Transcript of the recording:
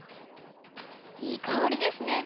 いいかおりですね！